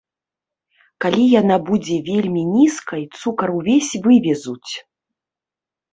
Калі яна будзе вельмі нізкай, цукар ўвесь вывезуць.